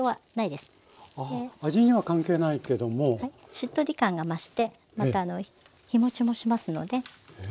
しっとり感が増してまた日もちもしますので。